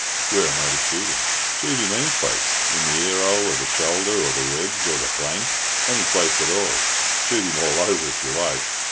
"Where am I to shoot him?" "Shoot him any place. In the earhole, or the shoulder, or the ribs, or the flank. Any place at all. Shoot him all over if you like.